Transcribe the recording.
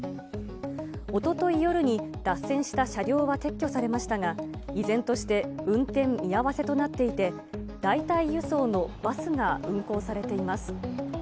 おととい夜に脱線した車両は撤去されましたが、依然として運転見合わせとなっていて、代替輸送のバスが運行されています。